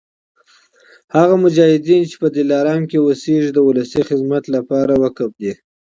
هغه مجاهدین چي په دلارام کي اوسیږي د ولسي خدمت لپاره وقف دي